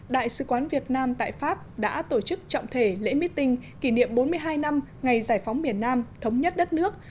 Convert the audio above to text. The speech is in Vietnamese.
đại sứ quán việt nam tại pháp đã tổ chức trọng thể lễ meeting kỷ niệm bốn mươi hai năm ngày giải phóng miền nam thống nhất đất nước